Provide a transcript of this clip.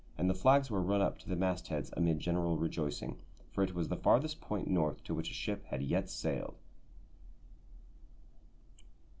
and the flags were run up to the mastheads amid general rejoicing, for it was the farthest point North to which a ship had yet sailed.